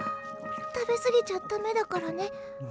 食べ過ぎちゃ駄目だからね。